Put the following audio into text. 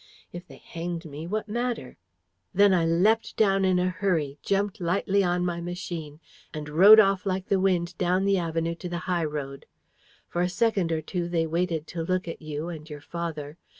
If they hanged me, what matter? Then I leapt down in a hurry, jumped lightly on my machine, and rode off like the wind down the avenue to the high road. For a second or two they waited to look at you and your father.